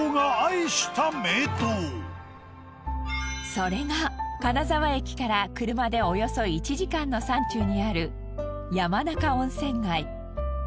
それが金沢駅から車でおよそ１時間の山中にある山中温泉街。